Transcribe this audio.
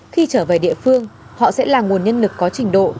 khi trở về địa phương họ sẽ là nguồn nhân lực có trình độ